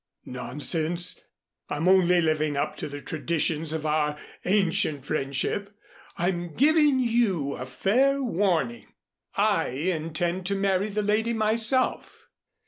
"Nonsense. I'm only living up to the traditions of our ancient friendship. I'm giving you a fair warning. I intend to marry the lady myself."